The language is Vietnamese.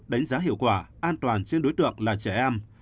đánh giá hiệu quả an toàn trên đối tượng là trẻ em